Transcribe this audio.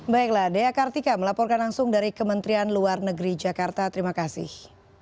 baiklah dea kartika melaporkan langsung dari kementerian luar negeri jakarta terima kasih